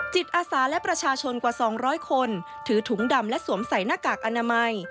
จิตอาสาและประชาชนกว่า๒๐๐คนถือถุงดำและสวมใส่หน้ากากอนามัย